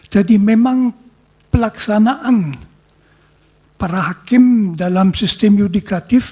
jadi memang pelaksanaan para hakim dalam sistem yudikatif